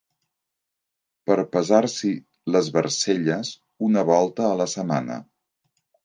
Per pesar-s'hi les barcelles una volta a la setmana.